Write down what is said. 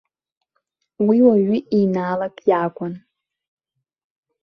Уи уаҩы еинаалак иакәын.